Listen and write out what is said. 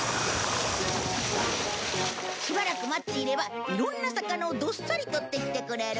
しばらく待っていればいろんな魚をどっさり捕ってきてくれる。